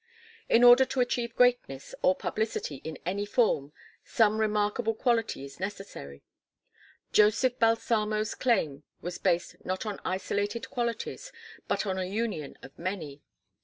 In order to achieve greatness, or publicity, in any form, some remarkable quality is necessary; Joseph Balsamo's claim was based not on isolated qualities but on a union of many.